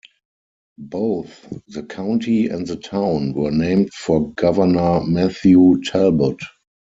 Both the county and the town were named for Governor Matthew Talbot.